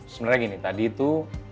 sebenarnya gini tadi itu